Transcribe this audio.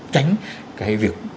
tránh cái việc